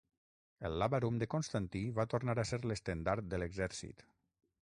El làbarum de Constantí va tornar a ser l'estendard de l'exèrcit.